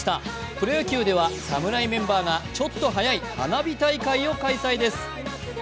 プロ野球では侍メンバーがちょっと早い花火大会です。